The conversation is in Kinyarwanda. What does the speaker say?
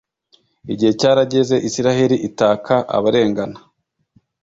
Igihe cyarageze, Isiraheli itaka abarengana.